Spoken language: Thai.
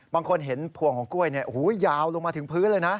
บางคนเห็นพวงของกล้วยยาวลงมาถึงพื้นเลยนะ